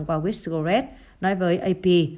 qua whistleret nói với ap